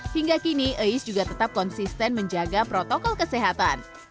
hingga kini ais juga tetap konsisten menjaga protokol kesehatan